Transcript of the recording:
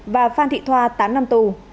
và phan thị thoa tám năm tù